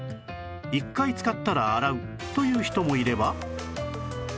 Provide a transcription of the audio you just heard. １回使ったら洗うという人もいれば